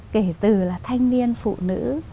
kể từ là thanh niên phụ nữ